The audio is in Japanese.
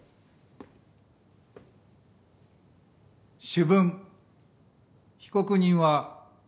主文被告人は無罪。